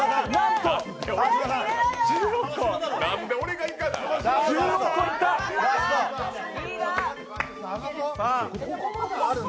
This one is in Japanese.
何で俺がいかなあかん。